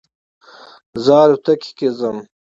زه الوتکې کې ځم